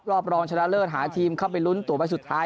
รองชนะเลิศหาทีมเข้าไปลุ้นตัวใบสุดท้าย